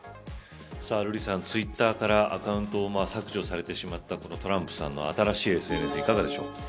瑠麗さん、ツイッターからアカウントを削除されてしまったトランプさんの新しいＳＮＳいかがですか。